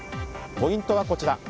ポイントはこちら。